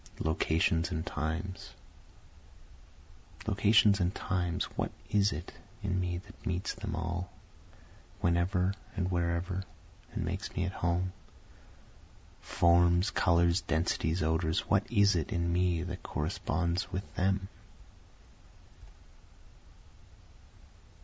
Locations and Times Locations and times what is it in me that meets them all, whenever and wherever, and makes me at home? Forms, colors, densities, odors what is it in me that corresponds with them?